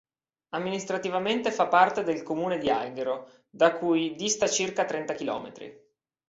Amministrativamente fa parte del comune di Alghero da cui dista circa trenta chilometri.